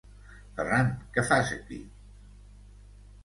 Ferran, què fas aquí?